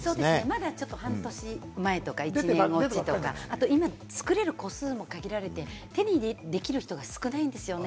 まだちょっと半年前とか１年前とか、あと今、作れる個数も限られて、手にできる人が少ないんですよね。